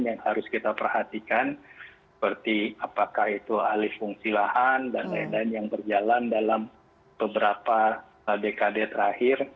yang harus kita perhatikan seperti apakah itu alih fungsi lahan dan lain lain yang berjalan dalam beberapa dekade terakhir